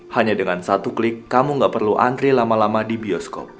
hanya dengan satu klik kamu gak perlu antri lama lama di bioskop